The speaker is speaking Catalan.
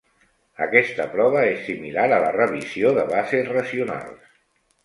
Aquesta prova és similar a la revisió de bases racionals.